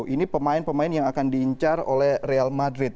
ini pemain pemain yang akan diincar oleh real madrid